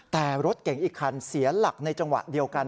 แต่รถเก๋งอีกคันเสียหลักในจังหวะเดียวกัน